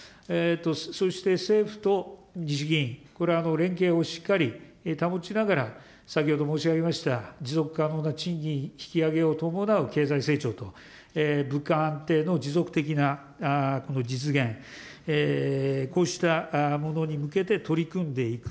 そして政府と日銀、これ、連携をしっかり保ちながら、先ほど申し上げました、持続可能な賃金引き上げを伴う経済成長と、物価安定の持続的な実現、こうしたものに向けて取り組んでいく。